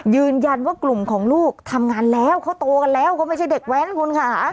ยืนยันว่ากลุ่มของลูกทำงานแล้วเขาโตกันแล้วก็ไม่ใช่เด็กแว้นคุณค่ะ